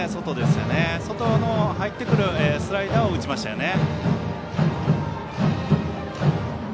外に入ってくるスライダーを打ちましたね。